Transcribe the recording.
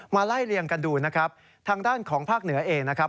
ไล่เรียงกันดูนะครับทางด้านของภาคเหนือเองนะครับ